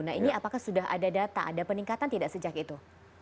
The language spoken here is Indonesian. nah ini apakah sudah ada data ada peningkatan tidak sejak itu